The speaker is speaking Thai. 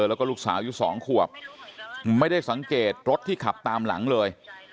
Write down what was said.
แล้วก็ลูกสาวอยู่สองขวบไม่ได้สังเกตรถที่ขับตามหลังเลย